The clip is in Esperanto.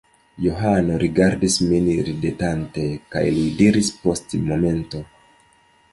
Johano rigardis min ridetante, kaj li diris post momento: